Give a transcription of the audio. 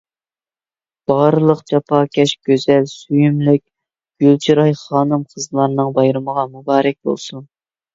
بارلىق جاپاكەش، گۈزەل، سۆيۈملۈك، گۈل چىراي خانىم-قىزلارنىڭ بايرىمىغا مۇبارەك بولسۇن.